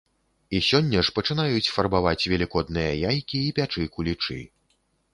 І сёння ж пачынаюць фарбаваць велікодныя яйкі і пячы кулічы.